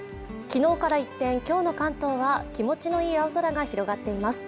昨日から一転今日の関東は気持ちのいい青空が広がっています